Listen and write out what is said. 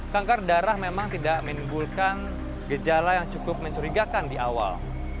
kanker darah memang tidak menimbulkan gejala yang cukup mencurigakan di awal